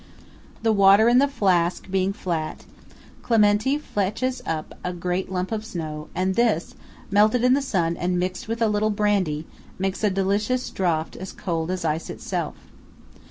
The water in the flask being flat, Clementi fetches up a great lump of snow, and this, melted in the sun and mixed with a little brandy, makes a delicious draught as cold as ice itself.